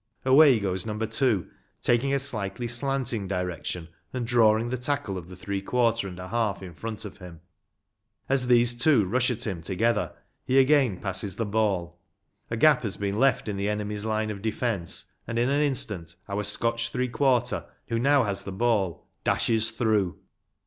Away goes number two, taking a slightly slanting direction, and drawing the tackle of the three quarter and half in front of him. As these two rush at him together, he again passes the ball. A gap has been left in the enemy's line of defence, and in an instant our Scotch three quarter, who now has the ball, dashes through.